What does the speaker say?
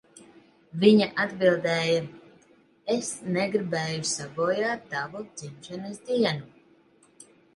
Viņa atbildēja, "Es negribēju sabojāt tavu dzimšanas dienu."